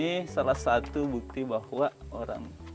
ini salah satu bukti bahwa manusia prasejarah pernah tinggal di kawasan ini